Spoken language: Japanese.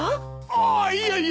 ああいやいや。